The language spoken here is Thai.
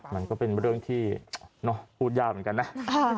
มันก็เป็นเรื่องที่พูดยากเหมือนกันนะ